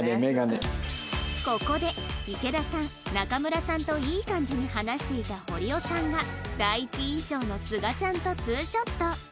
ここで池田さん中村さんといい感じに話していた堀尾さんが第一印象のすがちゃんと２ショット